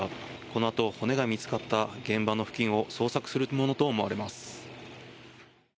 このあと骨が見つかった現場の付近を捜索するものと思われます。